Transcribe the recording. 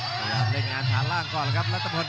พยายามเล่นงานฐานล่างก่อนแล้วครับรัฐพล